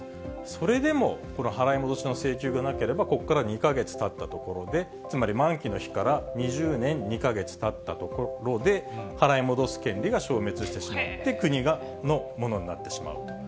それでもこの払い戻しの請求がなければ、ここから２か月たったところで、つまり満期の日から２０年２か月たったところで、払い戻す権利が消滅してしまって、国のものになってしまうと。